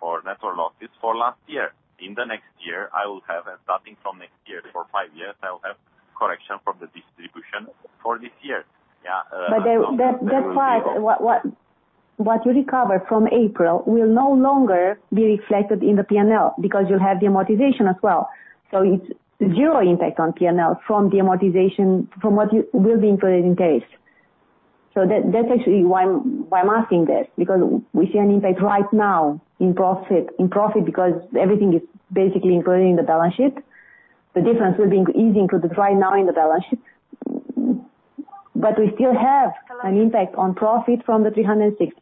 for network losses for last year. In the next year, I will have, starting from next year, for five years, I will have correction from the distribution for this year. Yeah That's why. What you recover from April will no longer be reflected in the P&L because you'll have the amortization as well. It's zero impact on P&L from the amortization from what you will be included in tariffs. That's actually why I'm asking this because we see an impact right now in profit because everything is basically included in the balance sheet. The difference will be easing to decline now in the balance sheet. We still have an impact on profit from the RON 360.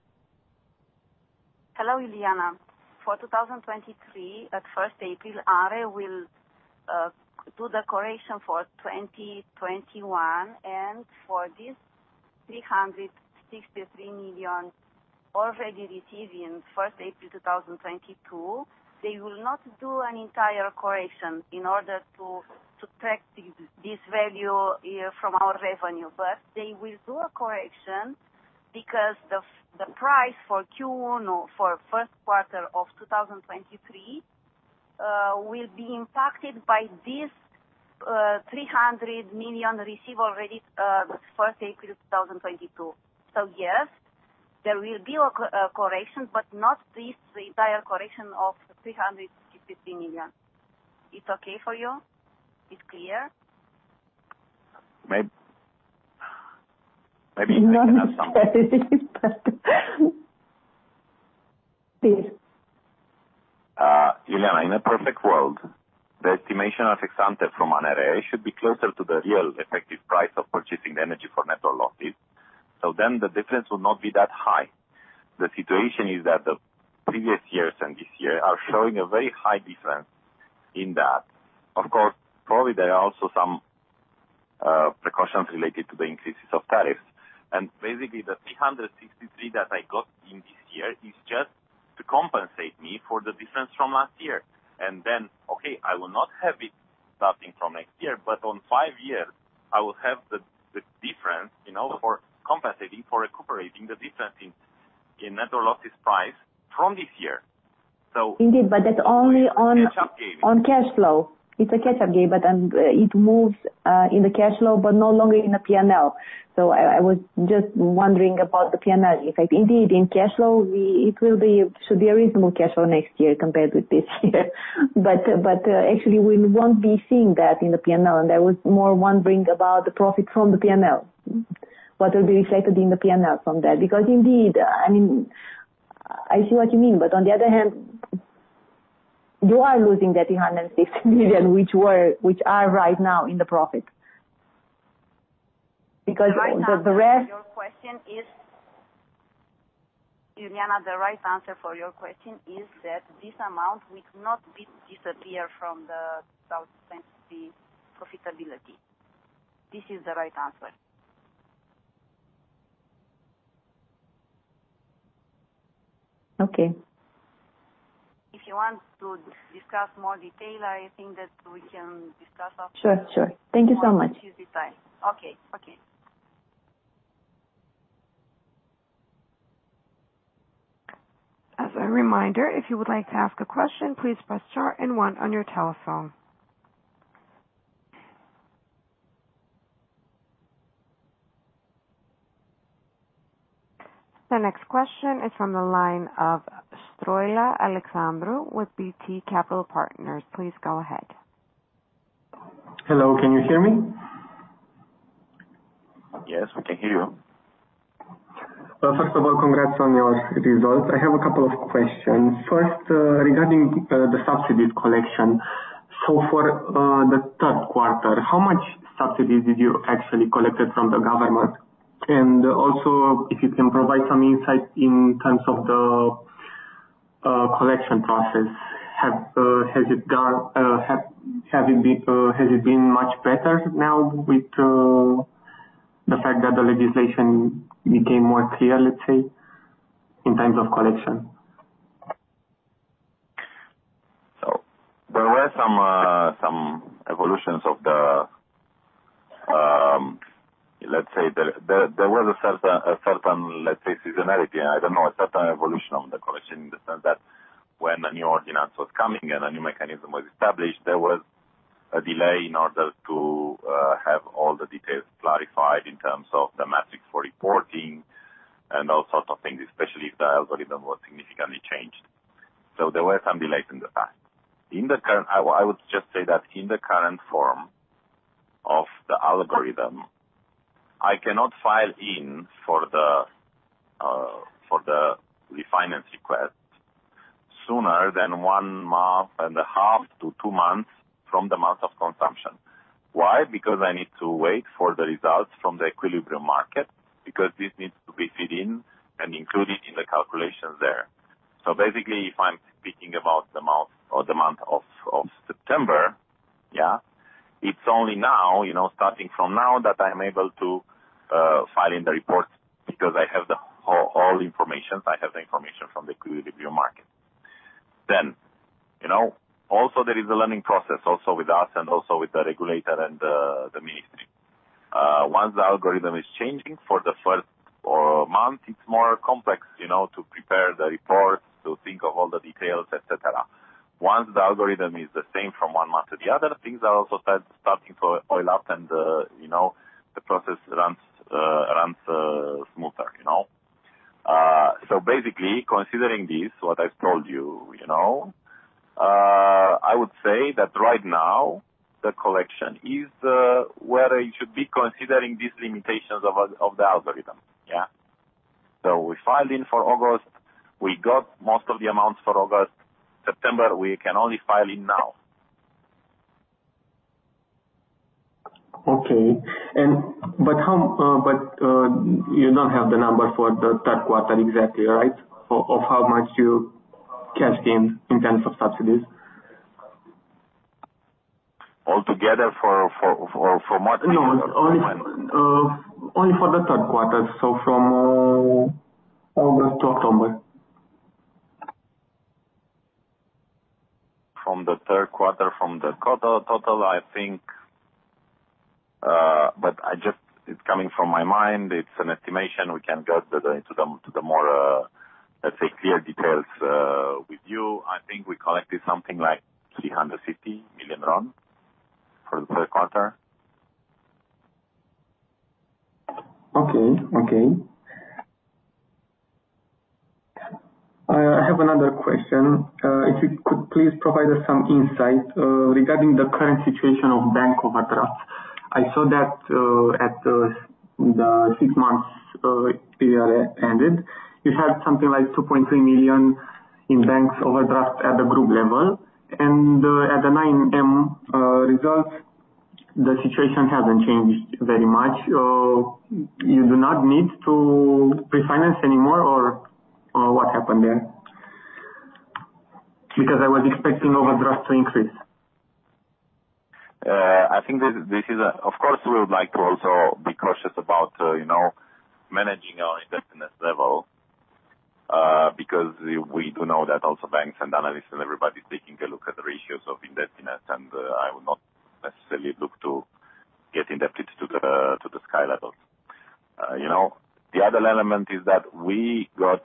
Hello, Ileana. For 2023, at first April, ANRE will do the correction for 2021, and for this RON 363 million already received in first April 2022, they will not do an entire correction in order to track this value from our revenue. They will do a correction. Because the price for Q1 or for first quarter of 2023 will be impacted by this RON 300 million received already the 1st April 2022. Yes, there will be a correction, but not the entire correction of RON 363 million. It's okay for you? It's clear? Maybe in a perfect world, the estimation of ex-ante from ANRE should be closer to the real effective price of purchasing the energy for network losses. The difference would not be that high. The situation is that the previous years and this year are showing a very high difference in that. Of course, probably there are also some precautions related to the increases of tariffs. Basically the RON 363 that I got in this year is just to compensate me for the difference from last year. Okay, I will not have it starting from next year, but on five years I will have the difference, you know, for compensating, for recuperating the difference in network losses price from this year. Indeed. Catch-up game. On cash flow. It's a catch-up game, but then it moves in the cash flow, but no longer in the P&L. I was just wondering about the P&L effect. Indeed, in cash flow should be reasonable cash flow next year compared with this year. Actually we won't be seeing that in the P&L, and I was more wondering about the profit from the P&L. What will be reflected in the P&L from that? Because indeed, I mean, I see what you mean, but on the other hand, you are losing the RON 360 million which are right now in the profit. Your question is, Iuliana, the right answer for your question is that this amount will not disappear from the 2020 profitability. This is the right answer. Okay. If you want to discuss more detail, I think that we can discuss after. Sure. Thank you so much. Okay. Okay. As a reminder, if you would like to ask a question, please press star and one on your telephone. The next question is from the line of Alexandru Stroilă with BT Capital Partners. Please go ahead. Hello, can you hear me? Yes, we can hear you. First of all, congrats on your results. I have a couple of questions. First, regarding the subsidy collection. For the third quarter, how much subsidies did you actually collected from the government? Also if you can provide some insight in terms of the collection process. Has it been much better now with the fact that the legislation became more clear, let's say, in terms of collection? There were some evolutions of the, let's say there was a certain, let's say, seasonality. I don't know, a certain evolution of the collection in the sense that when a new ordinance was coming and a new mechanism was established, there was a delay in order to have all the details clarified in terms of the metrics for reporting and all sorts of things, especially if the algorithm was significantly changed. There were some delays in the past. I would just say that in the current form of the algorithm, I cannot file in for the refinance request sooner than 1 month and a half to 2 months from the month of consumption. Why? Because I need to wait for the results from the equilibrium market, because this needs to be fit in and included in the calculations there. Basically, if I'm speaking about the month of September, yeah, it's only now, you know, starting from now that I'm able to file in the report because I have the whole information. I have the information from the equilibrium market. You know, also there is a learning process also with us and also with the regulator and the ministry. Once the algorithm is changing for the first month, it's more complex, you know, to prepare the reports, to think of all the details, et cetera. Once the algorithm is the same from one month to the other, things are also starting to oil up and, you know, the process runs smoother, you know. Basically considering this, what I've told you know, I would say that right now the collection is where it should be considering these limitations of the algorithm. Yeah. We filed in for August. We got most of the amounts for August. September, we can only file in now. Okay. You don't have the number for the third quarter exactly, right? Of how much you cashed in in terms of subsidies? Altogether for what? No. Only for the third quarter. From August to October. From the third quarter, from the quota total, I think. It's coming from my mind, it's an estimation. We can get into the more, let's say, clear details with you. I think we collected something like RON 350 million for the third quarter. Okay. Okay. I have another question. If you could please provide us some insight regarding the current situation of bank overdraft. I saw that at the 6 months period ended, you had something like RON 2.3 million in banks overdraft at the group level. At the 9M results, the situation hasn't changed very much. You do not need to pre-finance anymore or what happened there? Because I was expecting overdraft to increase. Of course, we would like to also be cautious about, you know, managing our indebtedness level because we do know that also banks and analysts and everybody is taking a look at the ratios of indebtedness. I would not necessarily look to get indebted to the sky levels. You know, the other element is that we got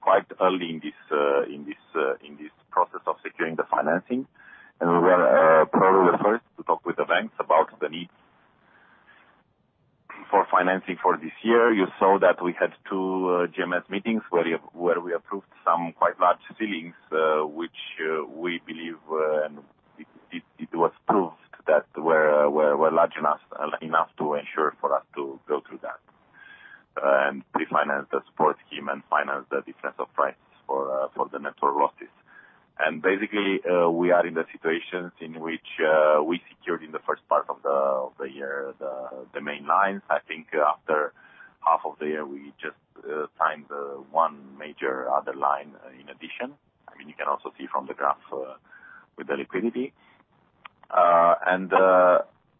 quite early in this process of securing the financing, and we were probably the first to talk with the banks about the need for financing for this year. You saw that we had two GMS meetings where we approved some quite large ceilings which we believe and it was proved that we're large enough to ensure for us to go through that and pre-finance the support scheme and finance the difference of prices for the network losses. Basically, we are in the situations in which we secured in the first part of the year the main lines. I think after half of the year, we just signed one major other line in addition. I mean, you can also see from the graph with the liquidity.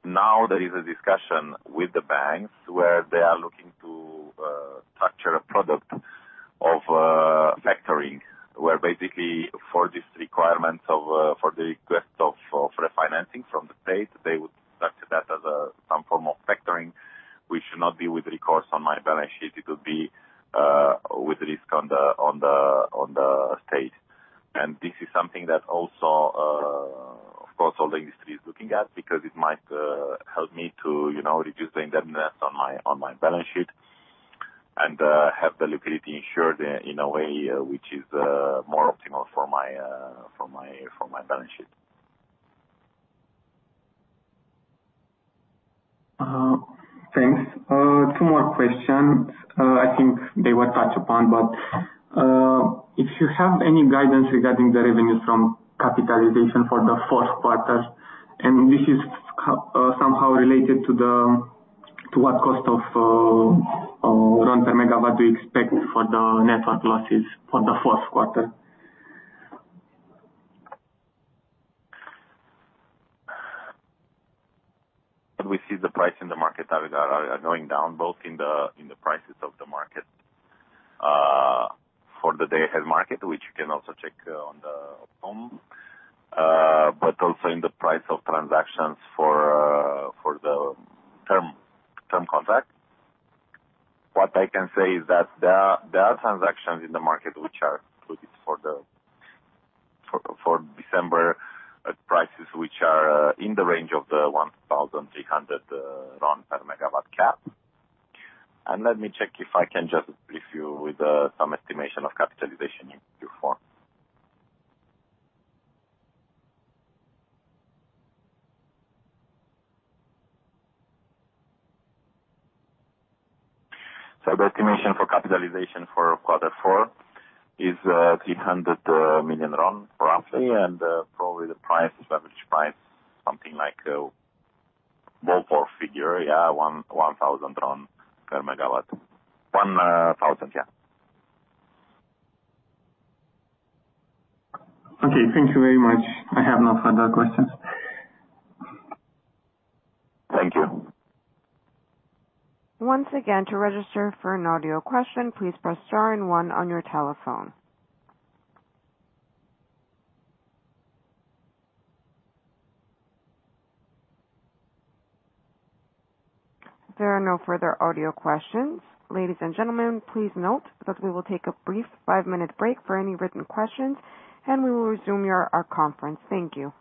Now there is a discussion with the banks where they are looking to structure a product of factoring, where basically for the request of refinancing from the state, they would structure that as some form of factoring, which should not be with recourse on my balance sheet. It would be with risk on the state. This is something that also, of course, all the industry is looking at because it might help me to, you know, reduce the indebtedness on my balance sheet and have the liquidity insured in a way which is more optimal for my balance sheet. Thanks. Two more questions. I think they were touched upon, but if you have any guidance regarding the revenue from capitalization for the fourth quarter, and this is somehow related to what cost of RON per megawatt you expect for the network losses for the fourth quarter? We see the price in the market are going down, both in the prices of the market for the day-ahead market, which you can also check on the home, but also in the price of transactions for the term contract. What I can say is that there are transactions in the market which are included for December at prices which are in the range of the RON 1,300 per MW cap. Let me check if I can just brief you with some estimation of capitalization in Q4. The estimation for capitalization for quarter four is RON 300 million, roughly. Probably the price, average price, something like ballpark figure, yeah, RON 1,000 per MW. 1,000, yeah. Okay, thank you very much. I have no further questions. Thank you. Once again, to register for an audio question, please press star and 1 on your telephone. There are no further audio questions. Ladies and gentlemen, please note that we will take a brief 5-minute break for any written questions, and we will resume our conference. Thank you.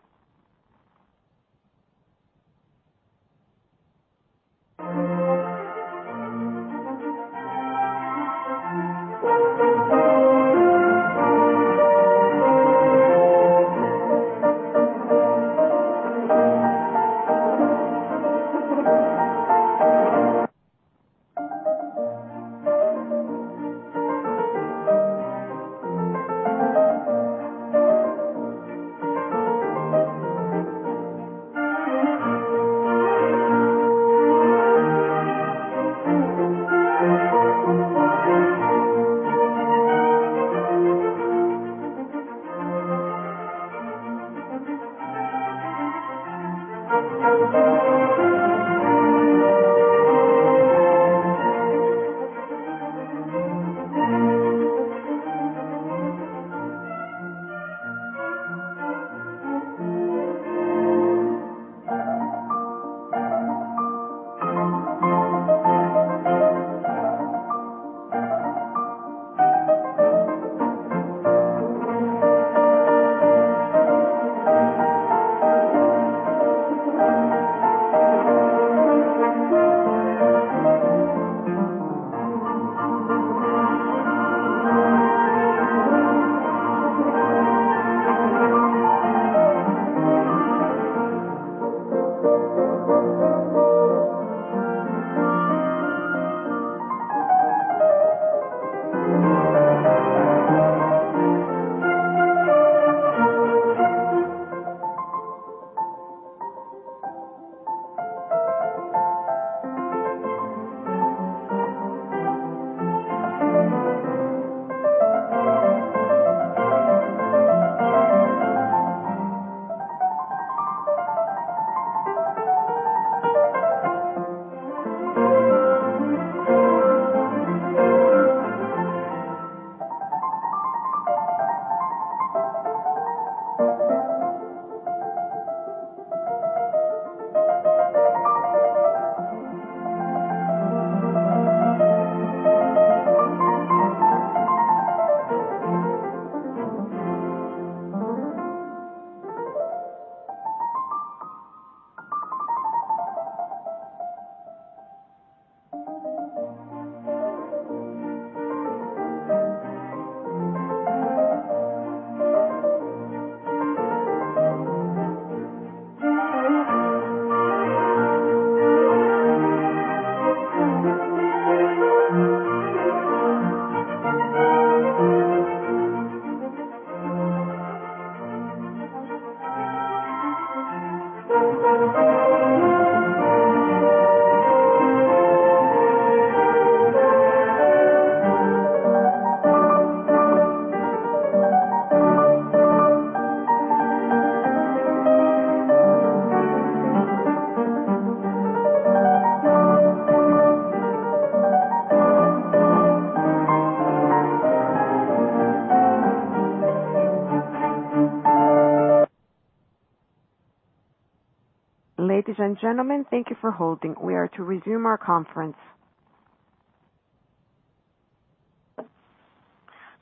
Ladies and gentlemen, thank you for holding. We are to resume our conference.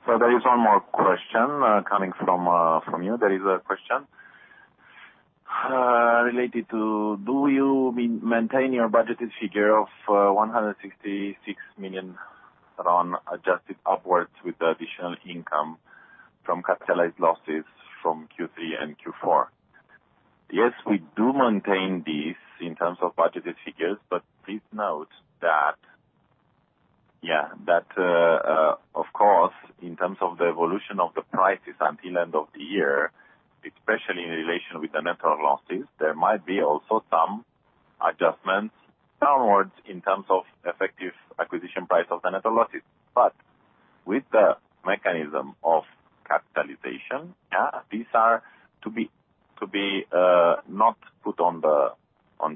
There is one more question coming from you. There is a question related to do you maintain your budgeted figure of RON 166 million adjusted upwards with the additional income from capitalized losses from Q3 and Q4? Yes, we do maintain this in terms of budgeted figures. Please note that, yeah, that, of course, in terms of the evolution of the prices until end of the year, especially in relation with the network losses, there might be also some adjustments downwards in terms of effective acquisition price of the network losses. With the mechanism of capitalization, yeah, these are to be not put on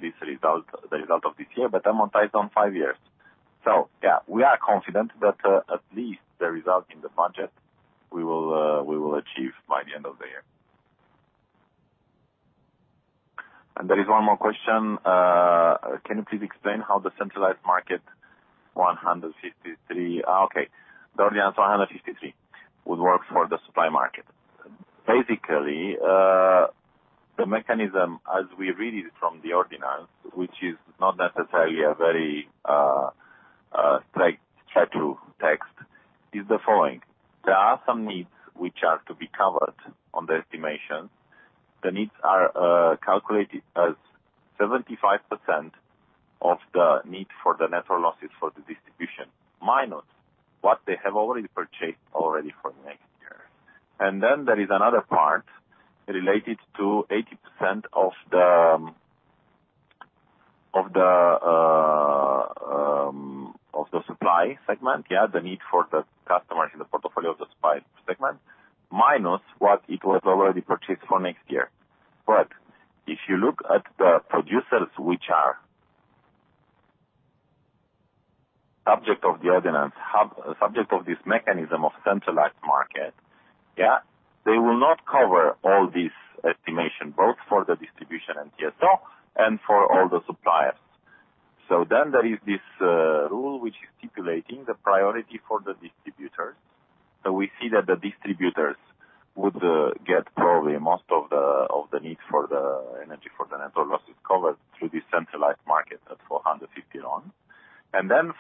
this result, the result of this year, but amortized on five years. We are confident that at least the result in the budget we will achieve by the end of the year. There is one more question. Can you please explain how the centralized market 153 would work for the supply market? Okay. The ordinance 153 would work for the supply market. Basically, the mechanism as we read it from the ordinance, which is not necessarily a very straightforward text, is the following. There are some needs which are to be covered on the estimation. The needs are calculated as 75% of the need for the network losses for the distribution, minus what they have already purchased already for next year. There is another part related to 80% of the supply segment. Yeah. The need for the customers in the portfolio of the supply segment, minus what it was already purchased for next year. If you look at the producers which are object of the ordinance, sub-subject of this mechanism of centralized market, yeah, they will not cover all this estimation, both for the distribution and TSO and for all the suppliers. There is this rule which is stipulating the priority for the distributors. We see that the distributors would get probably most of the need for the energy, for the network losses covered through this centralized market at RON 450.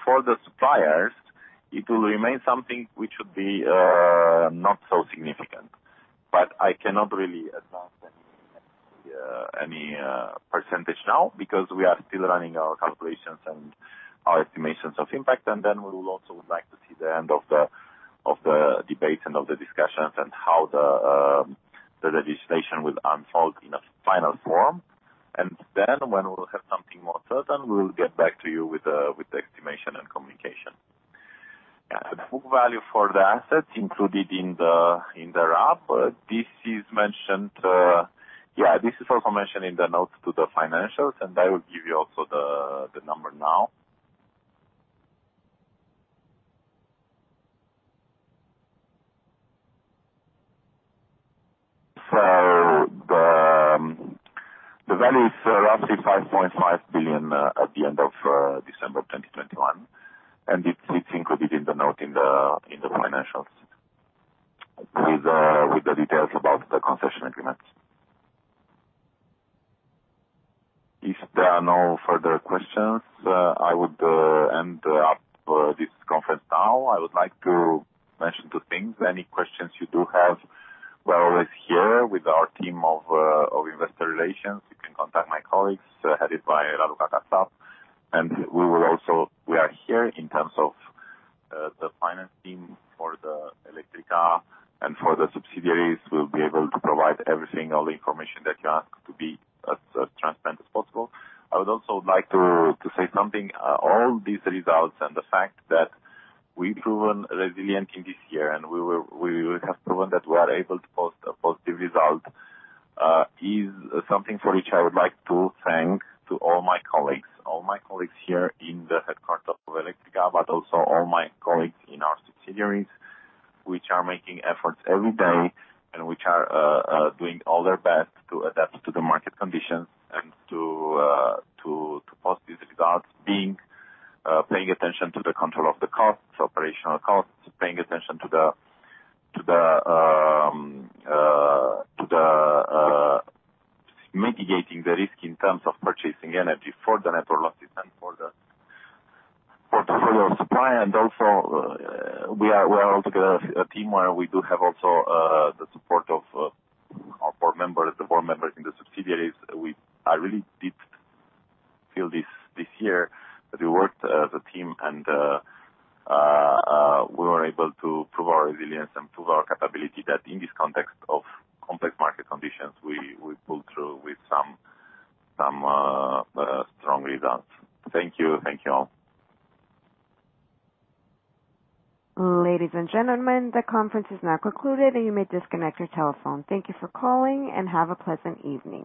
For the suppliers, it will remain something which would be not so significant. I cannot really announce any percentage now because we are still running our calculations and our estimations of impact. We will also would like to see the end of the debate and of the discussions and how the legislation will unfold in a final form. When we'll have something more certain, we'll get back to you with the estimation and communication. Yeah. The full value for the assets included in the RAB, yeah, this is also mentioned in the notes to the financials, and I will give you also the number now. The value is roughly RON 5.5 billion at the end of December 2021, and it's included in the note in the financials with the details about the concession agreements. If there are no further questions, I would end up this conference now. I would like to mention two things. Any questions you do have, we are always here with our team of Investor Relations. You can contact my colleagues headed by Raluca Kasap. We are here in terms of the finance team for Electrica and for the subsidiaries. We'll be able to provide everything, all the information that you ask to be as transparent as possible. I would also like to say something. All these results and the fact that we've proven resilient in this year and we have proven that we are able to post a positive result is something for which I would like to thank to all my colleagues. All my colleagues here in the headquarters of Electrica, but also all my colleagues in our subsidiaries, which are making efforts every day and which are doing all their best to adapt to the market conditions and to post these results, being paying attention to the control of the costs, operational costs, paying attention to the mitigating the risk in terms of purchasing energy for the network losses and for the portfolio supply. We are all together a team, where we do have also the support of our board members, the board members in the subsidiaries. I really did feel this year that we worked as a team and we were able to prove our resilience and prove our capability that in this context of complex market conditions, we pulled through with some strong results. Thank you. Thank you all. Ladies and gentlemen, the conference is now concluded, and you may disconnect your telephone. Thank you for calling, and have a pleasant evening.